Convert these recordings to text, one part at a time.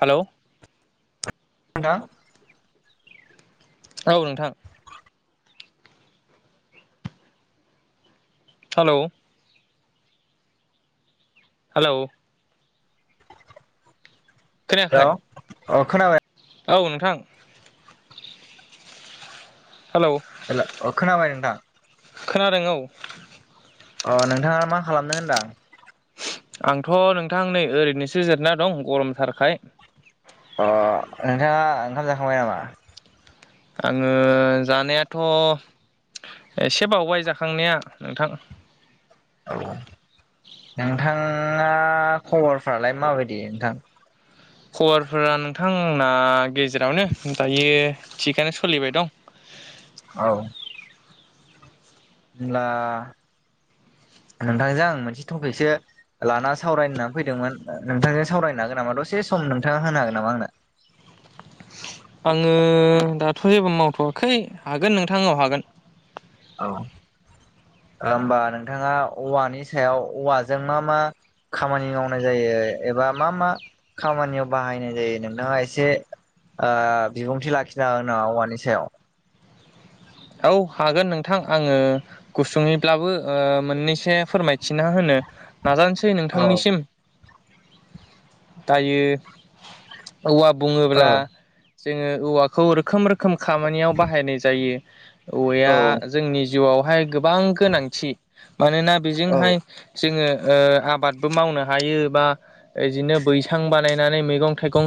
Hello [unintelligible] औ नोंथां hello hello hello खोनायाखै अ खोनाबाय औ नोंथां हेलौ [unintelligible] अ खोनाबाय नोंथां खोनादों औ अ नोंथाङा मा खालामदों होनदां आंथ' नोंथां नै ओरैनोसो जिरना दं गरमथारखाय ओ नोंथाङा ओंखाम जाखांबाय नामा? आङो जानायाथ' एसे बावबाय जाखांनाया नोंथां औ नोंथाङा खबरफ्रालाय माबायदि नोंथां? खबरफोरा नोंथां आंना गेजेरावनो दायो थिगानो सलिबाय दं। औ होनब्ला नोंथांजों आं मोनसे टपिकसो लाना सावरायनो होनना फैदोंमोन नोंथांजों सावरायनो हागोन नामा दसे सम नोंथाङा होनो हागोन नामा आंनो? आङो दाथ' जेबो मावथ'वाखै हागोन नोंथां औ हागोन होमबा नोंथाङा औवानि सायाव औवाजों मा मा खामानि मावनाय जायो एबा मा मा खामानियाव बाहायनाय जायो नोंथाङा एसे ओ बिबुंथि लाखिनो‌ हागोन नामा औवानि सायाव औ हागोन नोंथां आङो गुसुङैब्लाबो मोननैसो फोरमायथिना होनो नाजानोसै औ नोंथांनिसिम दायो औवा बुङोब्ला औ जोङो औवाखौ रोखोम रोखोम खामानियाव बाहायनाय जायो औ औवाया जोंनि जिउआवहाय गोबां गोनांथि मानोना बेजोंहाय जोङो आबादबो मावनो हायो बा बिदिनो बैसां बानायनानै मै गं थाइगं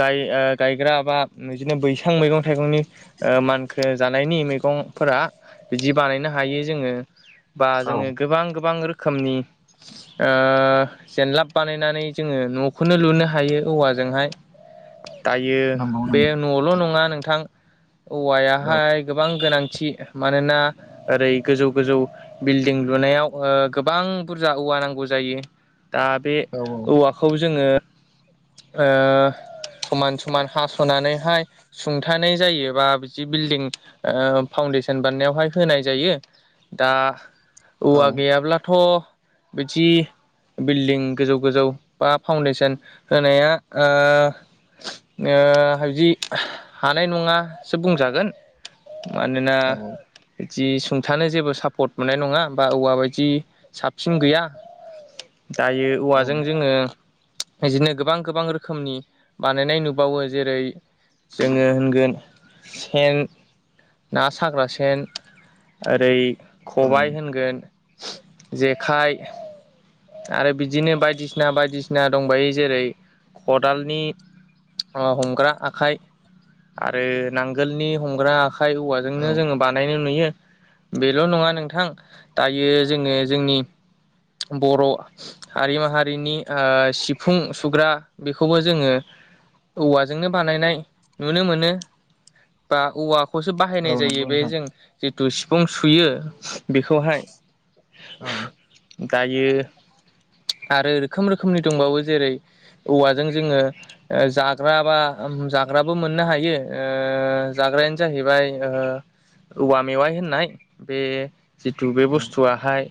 गाय ओ गायग्रा बा इदिनो बैसां मैगं-थाइगंनि ओ मानखो जा नायनि मैगंफोरा बिदि बानायनो हायो जोङो बा औ जोङो गोबां गोबां रो खोमनि जेनलाब बानायनानै जोङो न'खौनो लुनो हायो औवा जोंहाय [inaudible] दायो नंगौ बे नंगौ नल' नङा नोंथां औवाया औ हाय गोबां गोनांथि मानोना ओरै गोजौ गोजौ बिल्डिं लुनायाव गोबां बुरजा औवा नांगौ जायो दा बे औ औवाखौ जोङो [inaudible] ओ समान समान हास'नानैहाय सुंथानाय जायो बा बिदि बिल्डं फाउन्डेसन बानायनायावहाय होनाय जायो दा औवा औ गैयाब्लाथ' बिदि बिल्डिं गोजौ गोजौ बा फाउन्डेसन होनाया ओ ओ बिदि हानाय नङासो बुंजागोन मानोना औ जि सुंथानो जेबो सापर्ट मोननाय नङा बा औवा बायदि साबसिन गैया दायो औवाजों औ जोङो बिदिनो गोबां गोबां रोखोमनि बानायनाय नुबावो जेरै जोङो होनगोन सेन ना साग्रा सेन ओरै खबाय होनगोन जेखाइ आरो बिदिनो बायदिसिना बायदिसिना दंबायो जेरै खदालनि हमग्रा आखाइ आरो नांगोलनि हमग्रा आ खाइ औ औवाजोंनो जोङो बानायनो नुयो बेल' नङा नोंथां दायो जोङो जोंनि बर' हारि माहारिनि ओ सिफुं सुग्रा बेखौबो जोङो औवाजोंनो बानायनाय नुनो मोनो। बा औवाखौसो औ बाहायनाय जायो नंगौ बे नोंथां जों जिथु सिफुं सुयो। बेखौहाय औ गायो आरो रोखोम रोखोमनि दंबावो जेरै औवाजों जोङो जाग्रा बा जाग्राबो मोननो हायो ओ जा जाग्रायानो जाहैबाय ओ औवा मेवाइ होननाय बे जिथु बे औ बुस्थुवाहाय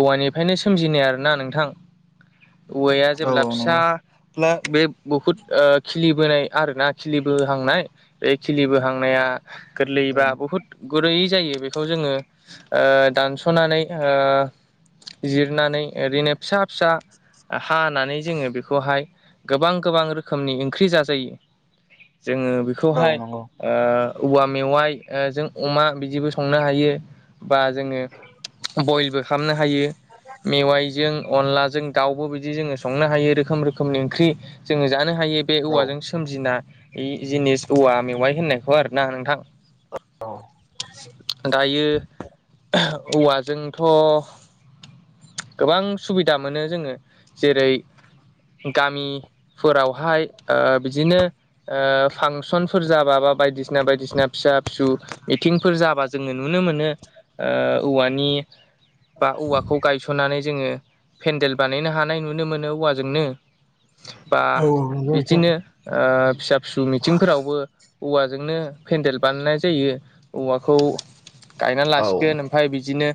औवानिफ्रायनो सोमजिनाय आरोना नोंथां औवाया औ जेब्ला फिसा नंगौ बे बुहुत खिलिबोनाय आरो ना खिलि बोहांनाय बे खिलि बोहांनाया गोरलै औ बा बुहुत गुरैयै जायो बेखौ जोङो ओ दानस'नानै ओ जिरनानै ओरैनो फिसा फिसा हानानै जोङो बेखौहाय गोबां गोबां रोखोमनि ओंख्रि जाजायो। जोङो औ बेखौहाय नंगौ ओ औवा मेवाइ ओ जों अमा बिदिबो संनो हायो बा जोङो बयलबो खालामनो हायो। [unintelligible] मेवाइजों अनलाजों दाउबो बिदि जोङो संनो हायो रोखोम रोखोमनि ओंख्रि जोङो जानो हायो बे औ औवाजों सोमजिना ए जिनिस औवा मेवाइ होननाय खौ आरो ना नोंथां दायो औवाजोंथ' गोबां सुबिदा मोनो जोङो जेरै गामिफोरावहाय ओ बिदिनो ओ फां सनफोर जाबा बा बायदिसिना बायदिसिना फिसा फिसौ मिथिंफोर जाबा जोङो नुनो मोनो। ओ औवानि बा औवाखौ गायस नानै जोङो पेन्देल बानायनो हानाय नुनो मोनो औवाजोंनो। बा बिदिनो ओ फिसा फिसौ मिथिंफोरावबो औवाजोंनो पेन्देल बानायनाय जायो। औवाखौ गायनानै औ लासिगोन ओमफाय बिदिनो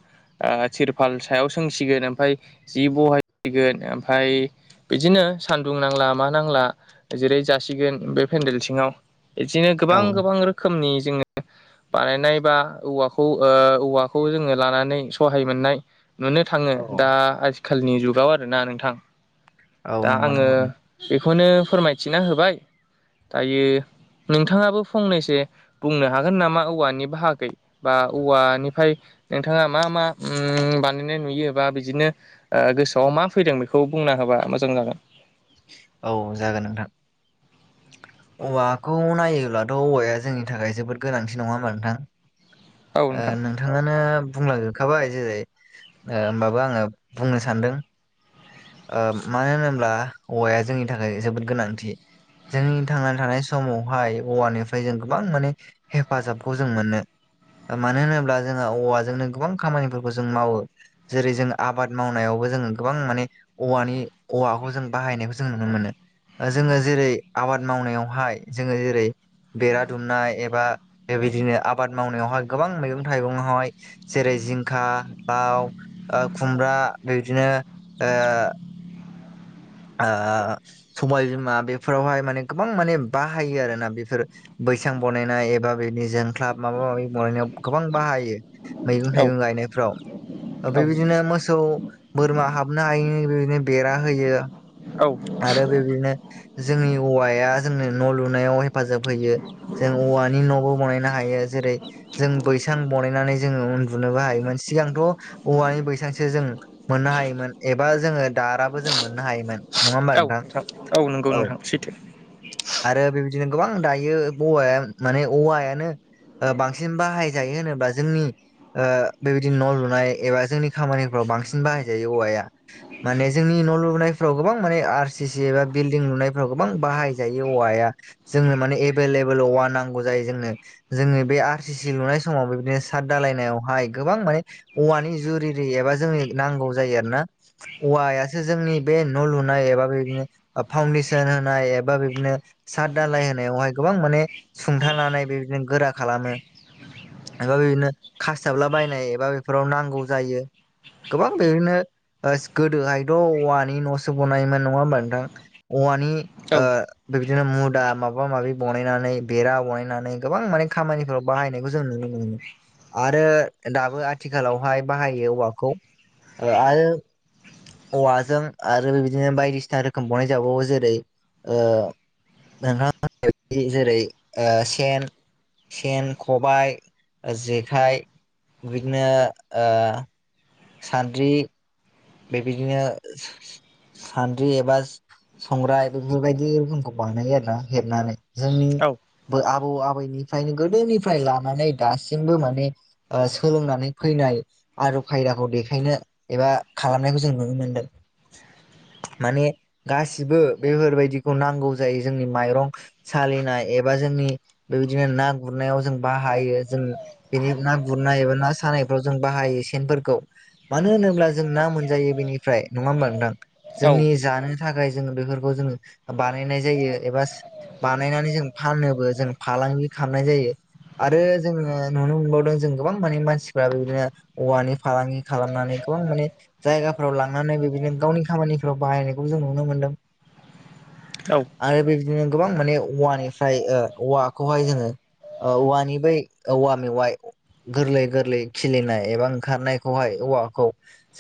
तिरपाल सायाव सोंसिगोन ओमफाय जि बहायसिगोन ओमफ्राय बिदिनो सान्दुं नांला मा नांला आ जिराय जासिगोन बेे पेन्देल सिङाव बिदिनो गोबां गोबां रोखोमनि जोङो बानायनाय बा औवाखौ ओ औवाखौ जोङो लानानै सहाय मोननाय नुनो थाङो दा औ आथिखालनि जुगाव आरोना नोंथां औ दा नंगौ आङो नंगौ बेखौनो फोरमायथिना होबाय दायो। नोंथाङाबो फंनैसो बुंनो हागोन नामा औवानि बाहागै बा औवानिफ्राय नोंथाङा मा मा ओम नुयो बा बिदिनो गोसोआव मा फैदों बेखौ बुंना होबा मोजां जागोन औ जागोन नोंथां औवाखौ नायोब्लाथ' औवाया जोंनि थाखाय जोबोद गोनांथि नङा होमबा नोंथां। औ ओ नोंथां नोंथाङानो बुंलां जोबखाबाय जेरै ओ होमबाबो आङो बुंनो सानदों। ओ मानो होनोब्ला औवाया जोंनि थाखाय जोबोद गोनांथि। जोंनि थांनानै थानाय समावहाय औवानिफ्राय जों गोबां माने हेफाजाबखौ जों मोनो। मानो होनोब्ला जोंङो औवाजोंनो गोबां खामानिफोरखौ जों मावो जेरै जों आबाद मावनायावबो जों गोबां माने औवानि औवाखौ जों बाहायनायखौ जों नुनो मोनो। जोङो जेरै आबाद मावनायावहाय जोङो जेरै बेरा दुमनाय एबा बिदिनो आबाद मावनायावहाय गोबां मैगं थाइगंहाय जेरै जिंखा लाव ओ खुमब्रा बिदिनो ओ ओ समायबिमा बेफोरावहाय माने गोबां माने बाहायो आरोना बेफोर बैसां बनायनाय एबा बिनि जोंख्लाब माबा माबि बनायनायाव गोबां बाहायो। मैगं औ थाइगं गायनायफ्राव औ बेबायदिनो मोसौ बोरमा हाबनो हायिनि बेदिनो बेरा होयो। औ आरो बेबायदिनो जोंनि औवाया जोंनो न' लुनायाव हेफाजाब होयो जों औवानि न'बो बनायनो हायो जेरै जों बै सां बनायनानै जोङो उन्दुनोबो हायोमोन सिगांथ' औवानि बैसांसो जों मोननो हायोमोन। एबा जोङो दाराबो जों मोननो हायोमोन। नङा होमबा औ नोंथां औ नंगौ नोंथां सैथो। आरो बेबायदिनो गोबां दायो बौवाया माने औवायानो ओ बांसिन बाहायजायो होनोब्ला जोंनि ओ बेबायदि न' लुनाय एबा जोंनि खामानिफ्राव बांसिन बाहाय जायो औवाया माने जोंनि न लुनाय फोराव गोबां माने आर सि सि एबा बिलदिं लुनाय फोराव गोबां बाहाय जायो जायो औवाया जोंनो माने एबेलेबोल औवा नांगो जायो जोंनो आर सि सि लुनाय समाव बेदिनो साट दालायनायावहाय गोबां माने औवानि जुरि एबा जोंनि नांगौ जायो आरोना औवायासो जोंनि बे न' लुनाय एबा बेनो फाउदेसन होनाय एबा बिदिनो साद दानलाय होनायावहाय गोबां माने सुंथानानै बेबायदिनो गोरा खालामो एबा बिदिनो खासथाबलाबायायनाय एबा बेफोराव नांगौ जायो गोबां बेबायदिनो ओ गोदोहायथ' औवानि न' स बोननायमोन नङा होमबा नोंथां औवानि औ ओ बेबदिनो मुदा माबा माबि बनायनानै बेरा बनायनानै गोबां माने खामानिफोराव बाहायनायखौ जों नोयो आरो दाबो आथिखालावहाय बाहायो औवाखौ आरो औवाजों आरो बिदिनो बायदिसिना रोखोम बनाय जाबावो जेरै ओ नोंथाङा होननायबायदि जेरै सेन सेन खबाय जेखाइ बिदिनो ओ सानद्रि बेबिदिनो सान्द्रि एबा संग्राय बेफोरबायदि रोखोमखौ बानायो आरो ना हेबनानै औ जोंनिबो आबौ आबै मोननिफ्रायनो गोदोनिफ्राय लानानै दासिमबो माने सोलोंनानै फैनाय आरो खायदाखौ देखायनो एबा खालामनायखौ जों नुनो मोनदों माने गासिबो बेफोरबायदिखौ नांगौ जायो जोंनि माइरं सालिनाय एबा एबा जोंनि बेबायदिनो ना गुरनायाव जों बाहायो जों बेनि ना गुरनाय एबा ना सानाय बाहायो सेनफोरखौ मानो होनोब्ला जों जों ना मोनजायो बेनिफ्राय नङा होनबा बा नोंथां औ जोंनि जानो थाखाय जोङो बेफोरखौ जोङो बानायनाय जायो एबा बानायनानै जों फानोबो जों फालांगि खालामनाय जायो। आरो जोङो नुनो मोनबावदों जों गोबां माने मानसिफ्राबो बे बिदिनो औवानि फालांगि खालामनानै गोबां माने जायगाफ्राव लांनानै बेबायदिनो गावनि खामानिफ्राव बाहायनायखौ जों नुनो मोनदों। औ आरो बेबायदिनो गोबां माने औवानिफ्राय ओ औवाखौहाय जोङो ओ औवानि बै औवा मेवाइ गोरलै गोरलै खिलिनाय एबा ओंखारनायखौहाय औवाखौ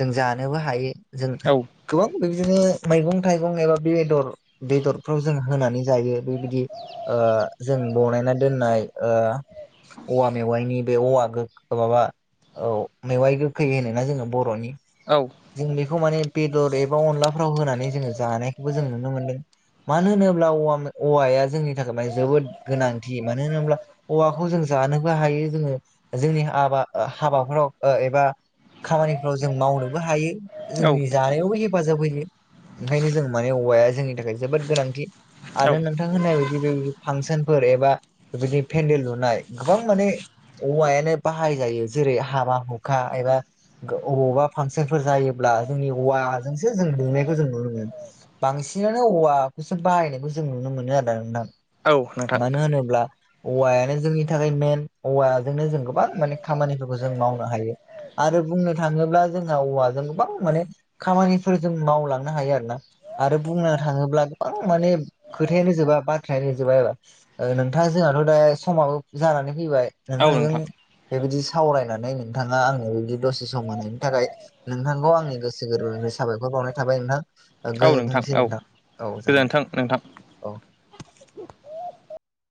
जों जानोबो हायो जों औ गोबां बिदिनो मैगं थाइगं एबा बेदर बेदरफ्राव जों होनानै जायो बेबायदि ओ जों बनायना दोननाय ओ औवा मेवाइनि बे औवा माबा औ मेवाइ गोखै होनो ना जोङो बर'नि औ जों बेखौ माने बेदर एबा अनलाफ्राव होनानै जोङो जानायखौबो जों नुनो मोनदों। मानो होनोब्ला औवाया जोंनि थाखाय मान जोबोद गोनांथि मानो होनोब्ला औवाखौ जों जा हायो जोङो जोंनि हाबा हाबाफ्राव एबा खामानिफ्राव जों मावनोबो हायो औ जोंनि जानायावबो हेफाजाब होयो। ओंखायनो जों माने औवाया जोंनि थाखाय जोबोद गोनांथि औ आरो नोंथां होननाय बिदि बे फांसनफोर एबा बेबायदि पेन्देल लुनाय गोबां माने औवायानो बाहाय जायो जेरै हाबा हुखा एबा बबावबा फांसनफोर जायोब्ला जोंनि औवाजोंसो जों लुनायखौ जों नुनो मोनो बांसिनानो औवाखौसो बायनायखौ जों नुनो मोनो आरोना नोंथां औ नोंथां मानो होनोब्ला औवायानो जोंनि थाखाय मेन औवाजोंनो जों गोबां माने खामानिफोरखौ जों मावनो हायो। आरो बुंनो थाङोब्ला जोंहा औवाजों गोबां माने खामानिफोर जों मावलांनो हायो आरोना आरो बुंनो थाङोब्ला गोबां माने खोथायानो जोबा बाथ्रायानो जोबाबा नोंथां जोंहाथ' दा सम जानानै फैबाय नोंथां बेबायदि सावरायनानै नोंथाङा आंनो बि दसे सम होनायनि थाखाय नोंथांखौ आंनि गोसो गोरबोफ्राय साबायखर बावनाय थाबाय नोंथां औ गोजोनथोंसै औ नोंथां औ जागोन गोजोन्थों नोंथां। औ